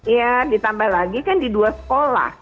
ya ditambah lagi kan di dua sekolah